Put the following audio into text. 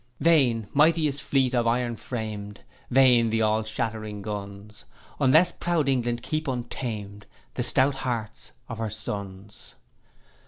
'Vain, mightiest fleet of iron framed; Vain the all shattering guns Unless proud England keep, untamed, The stout hearts of her sons.